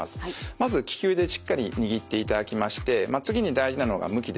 まず利き腕でしっかり握っていただきまして次に大事なのが向きです。